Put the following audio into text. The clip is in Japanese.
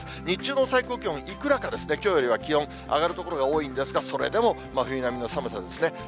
日中の最高気温、いくらかですね、きょうよりは気温上がる所が多いんですが、それでも真冬並みの寒さですね。